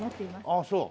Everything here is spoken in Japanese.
ああそう。